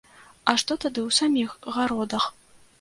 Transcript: А што тады ў саміх гародах?